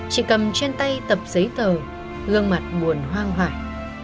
chỉ cầm trên tay tập giấy tờ gương mặt buồn hoang